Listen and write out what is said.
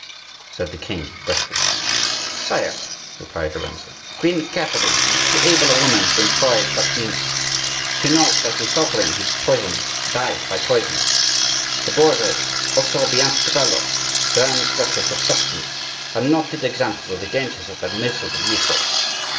said the king, breathlessly. "Sire," replied Lorenzo, "Queen Catherine is too able a woman to employ such means. She knows that the sovereign who poisons dies by poison. The Borgias, also Bianca Capello, Grand Duchess of Tuscany, are noted examples of the dangers of that miserable resource.